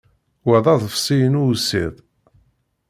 Wa d aḍebsi-inu ussid.